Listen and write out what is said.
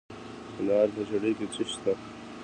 د کندهار په ژیړۍ کې څه شی شته؟